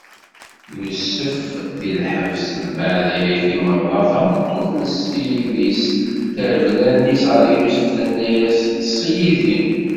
Yusef di lḥebs Mbeɛd ayagi meṛṛa, tameṭṭut n ssid-is terfed allen-is ɣer Yusef, tenna-yas: Ṭṭeṣ yid-i!